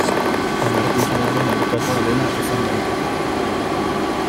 Anarkismoaren aurkakoa dela esan daiteke.